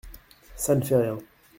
Ca ne fait rien…